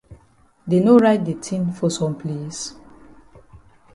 Dey no write de tin for some place?